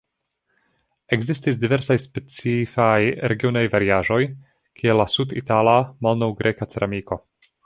Ekzistis diversaj specifaj regionaj variaĵoj, kiel la sud-itala malnov-greka ceramiko.